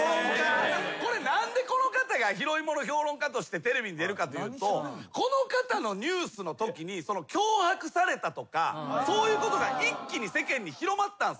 これ何でこの方が拾いもの評論家としてテレビに出るかというとこの方のニュースのときに脅迫されたとかそういうことが一気に世間に広まったんすよ。